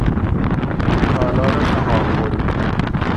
تالار ناهارخوری